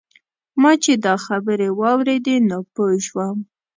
ما چې دا خبرې واورېدې نو پوی شوم.